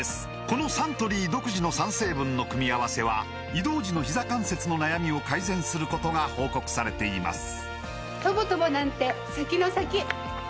このサントリー独自の３成分の組み合わせは移動時のひざ関節の悩みを改善することが報告されています